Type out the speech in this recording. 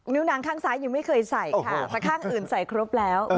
นางข้างซ้ายยังไม่เคยใส่ค่ะแต่ข้างอื่นใส่ครบแล้ว